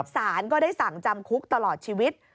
สารก็ได้สั่งจำคุกตลอดชีวิต